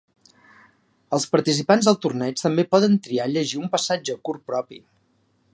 Els participants del torneig també poden triar llegir un passatge curt propi.